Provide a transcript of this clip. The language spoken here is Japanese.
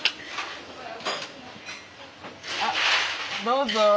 あっどうぞ。